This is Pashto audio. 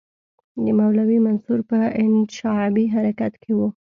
د مولوي منصور په انشعابي حرکت کې وو.